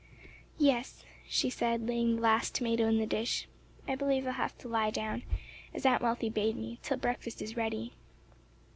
"Yes," she said, laying the last tomato in the dish, "I believe I'll have to lie down, as Aunt Wealthy bade me, till breakfast is ready."